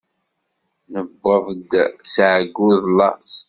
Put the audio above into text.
Newweḍ-d s ɛeyyu d laẓ.